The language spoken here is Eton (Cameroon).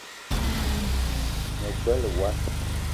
Ma gbele wass